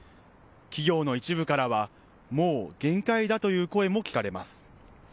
企業の一部からはもう限界だという声も聞かれます。